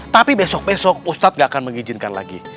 tapi besok besok ustadz gak akan mengizinkan lagi